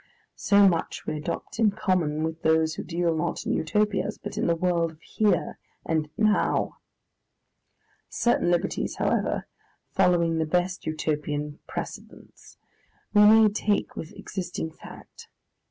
So much we adopt in common with those who deal not in Utopias, but in the world of Here and Now. Certain liberties, however, following the best Utopian precedents, we may take with existing fact.